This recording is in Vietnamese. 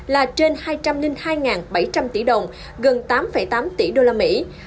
là trên hai trăm linh hai bảy trăm linh tỷ đồng gần tám tám tỷ usd